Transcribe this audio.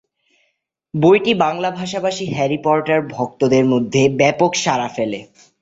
বইটি বাংলাভাষী Harry Potter ভক্তদের মধ্যে ব্যাপক সাড়া ফেলে।